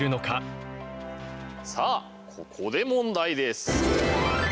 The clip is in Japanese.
さあここで問題です。